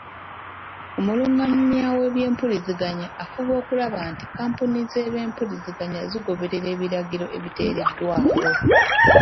Omulungamya w'ebyempuliziganya afuba okulaba nti kkampuni z'empuliziganya zigoberera ebiragiro ebiteereddwawo.